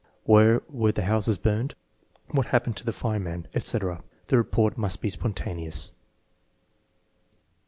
Where were the houses burned? What happened to the fireman? " etc. The report must be spontaneous.